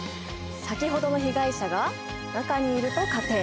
先ほどの被害者が中にいると仮定。